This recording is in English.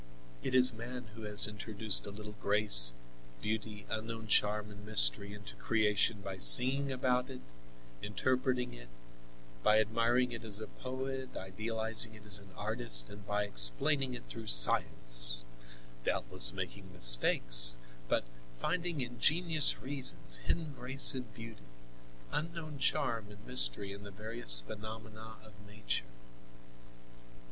It is man who has introduced a little grace, beauty, unknown charm and mystery into creation by singing about it, interpreting it, by admiring it as a poet, idealizing it as an artist and by explaining it through science, doubtless making mistakes, but finding ingenious reasons, hidden grace and beauty, unknown charm and mystery in the various phenomena of Nature.